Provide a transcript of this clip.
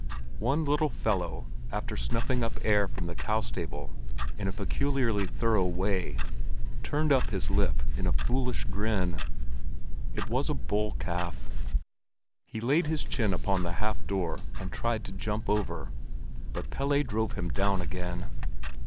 One little fellow, after snuffing up air from the cow stable in a peculiarly thorough way, turned up his lip in a foolish grin: it was a bull calf. He laid his chin upon the half door, and tried to jump over, but Pelle drove him down again.